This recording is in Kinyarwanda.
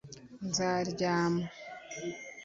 Nzaryama